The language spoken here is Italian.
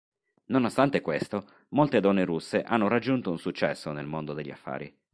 Nonostante questo, molte donne russe hanno raggiunto un successo nel mondo degli affari.